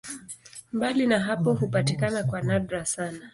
Mbali na hapo hupatikana kwa nadra sana.